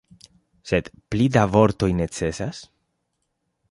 Sed pli da vortoj necesas?